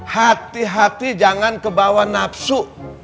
hati hati jangan kebawa nafsu